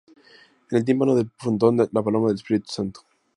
En el tímpano del frontón la paloma del Espíritu Santo.